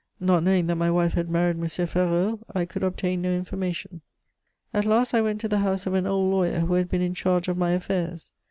Not knowing that my wife had married M. Ferraud, I could obtain no information. "At last I went to the house of an old lawyer who had been in charge of my affairs.